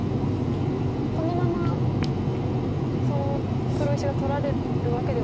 このまま黒石が取られるわけではないだろうと。